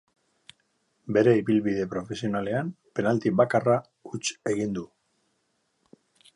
Bere ibilbide profesionalean penalti bakarra huts egin du.